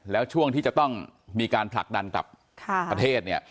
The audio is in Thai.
แล้วช่วงที่จะต้องมีการผลักดันกลับประเทศเนี่ย